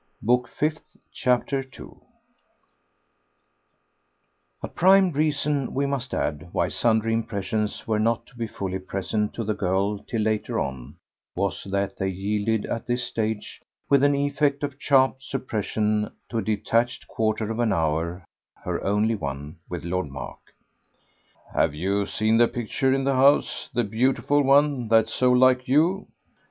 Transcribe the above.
Book Fifth, Chapter 2 A prime reason, we must add, why sundry impressions were not to be fully present to the girl till later on was that they yielded at this stage, with an effect of sharp supersession, to a detached quarter of an hour her only one with Lord Mark. "Have you seen the picture in the house, the beautiful one that's so like you?"